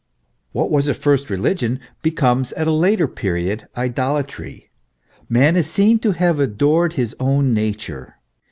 What was at first religion becomes at a later period idolatry; man is seen to have adored his own nature.